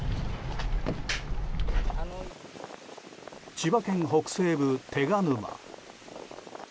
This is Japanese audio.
千葉県北西部、手賀沼。